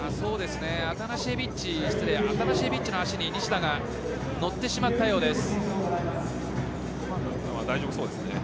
アタナシエビッチの足に西田が乗ってしまったようです。